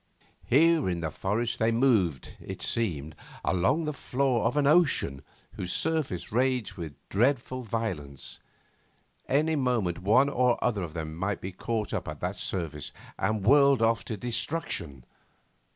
Here in the forest they moved, it seemed, along the floor of an ocean whose surface raged with dreadful violence; any moment one or other of them might be caught up to that surface and whirled off to destruction.